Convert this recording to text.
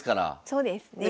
そうですね。